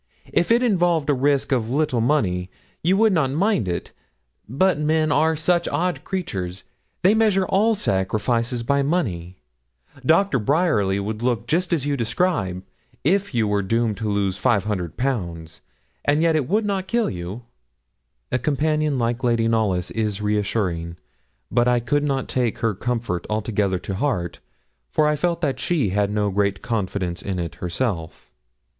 If it involved a risk of a little money, you would not mind it; but men are such odd creatures they measure all sacrifices by money. Doctor Bryerly would look just as you describe, if you were doomed to lose 500_l_., and yet it would not kill you.' A companion like Lady Knollys is reassuring; but I could not take her comfort altogether to heart, for I felt that she had no great confidence in it herself.